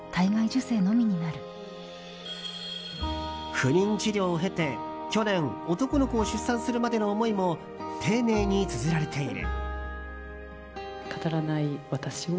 不妊治療を経て、去年男の子を出産するまでの思いも丁寧につづられている。